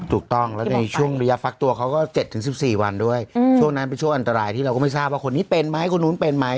ถูกต้องแล้วในช่วงระยะฟักตัวเขาก็๗๑๔วันด้วยช่วงนั้นเป็นช่วงอันตรายที่เราก็ไม่ทราบว่าคนนี้เป็นไหมคนนู้นเป็นไหม